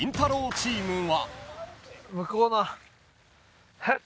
チームは］